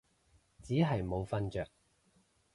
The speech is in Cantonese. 只係冇瞓着